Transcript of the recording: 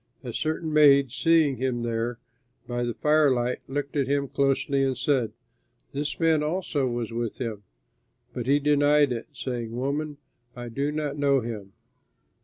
A certain maid, seeing him there by the firelight, looked at him closely and said, "This man also was with him." But he denied it, saying, "Woman, I do not know him."